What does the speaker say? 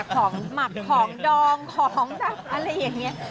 ของหมัดของดองของอะไรอย่างนี้